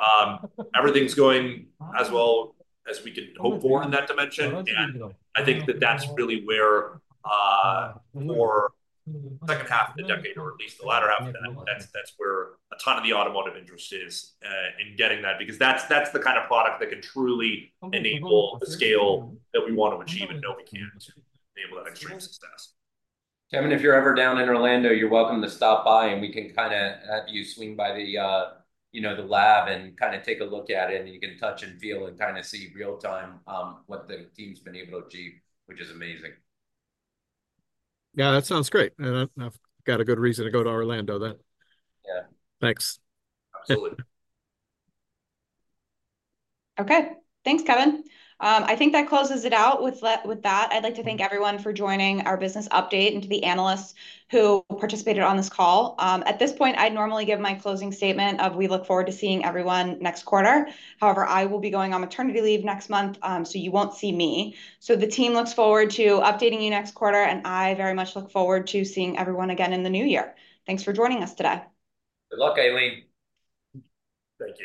everything's going as well as we could hope for in that dimension, and I think that's really where, for the second half of the decade, or at least the latter half of that, that's where a ton of the automotive interest is in getting that, because that's the kind of product that can truly enable the scale that we want to achieve and know we can to enable that extreme success. Kevin, if you're ever down in Orlando, you're welcome to stop by, and we can kinda have you swing by the, you know, the lab and kinda take a look at it, and you can touch and feel and kinda see real-time what the team's been able to achieve, which is amazing. Yeah, that sounds great, and I've got a good reason to go to Orlando then. Yeah. Thanks. Absolutely. Okay. Thanks, Kevin. I think that closes it out. With that, with that, I'd like to thank everyone for joining our business update and to the analysts who participated on this call. At this point, I'd normally give my closing statement of, "We look forward to seeing everyone next quarter." However, I will be going on maternity leave next month, so you won't see me. So the team looks forward to updating you next quarter, and I very much look forward to seeing everyone again in the new year. Thanks for joining us today. Good luck, Aileen. Thank you.